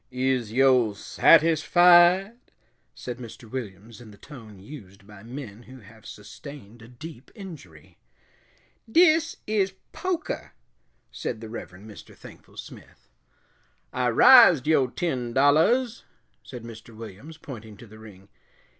"Is yo' satisfied?" said Mr. Williams, in the tone used by men who have sustained a deep injury. "Dis is pokah," said the Reverend Mr. Thankful Smith. "I rised yo' ten dollahs," said Mr. Williams, pointing to the ring.